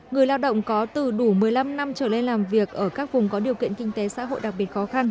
người lao động có từ đủ một mươi năm năm trở lên làm việc ở các vùng có điều kiện kinh tế xã hội đặc biệt khó khăn